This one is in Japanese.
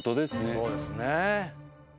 そうですね。